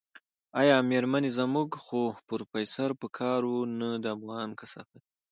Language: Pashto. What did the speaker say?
ای مېرمنې زموږ خو پروفيسر په کار و نه دا افغان کثافت.